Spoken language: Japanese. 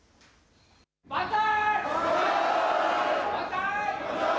万歳。